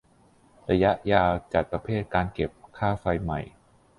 ระยะยาว จัดประเภทการเก็บค่าไฟใหม่